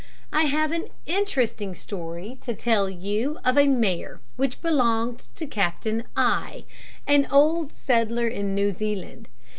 I have an interesting story to tell you of a mare which belonged to Captain I , an old settler in New Zealand.